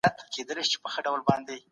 د ښځو رول په لاسي صنايعو کي څنګه و؟